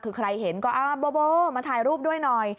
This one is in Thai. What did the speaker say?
คือใครเห็นก็โบมาถ่ายรูปด้วยหน่อย